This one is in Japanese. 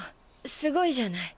すごいじゃない！